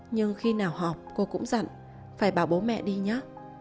nhưng khi nào học cô cũng dặn phải bảo bố mẹ đi nhá